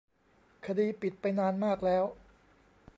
คดีปิดไปนานมากแล้ว